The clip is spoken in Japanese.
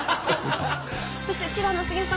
そして千葉の杉野さん